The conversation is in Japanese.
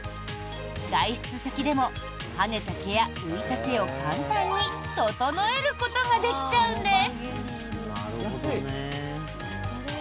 外出先でも跳ねた毛や浮いた毛を簡単に整えることができちゃうんです。